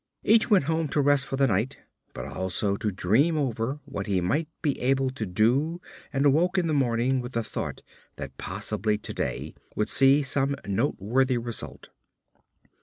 Each went home to rest for the night, but also to dream over what he might be able to do and awoke in the morning with the thought that possibly to day would see some noteworthy result.